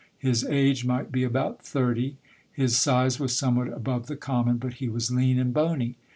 His age might be about thirty. His size was somewhat above the common, but he was lean and bony.